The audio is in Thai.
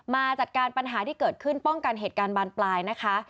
มาจัดการปัญหาที่เกิดขึ้นป้องกันเหตุการณ์บานปลายนะคะ